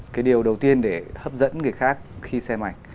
cái điều đầu tiên để hấp dẫn người khác khi xem ảnh